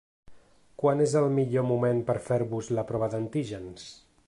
Quan és el millor moment per a fer-vos la prova d’antígens?